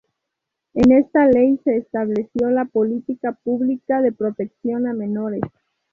En esta ley se estableció la política pública de protección a menores.